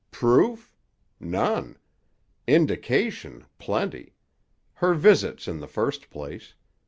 "Proof? None. Indication, plenty. Her visits, in the first place.